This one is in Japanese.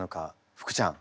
福ちゃん。